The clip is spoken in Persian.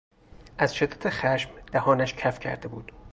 از شدت خشم دهانش کف کرده بود.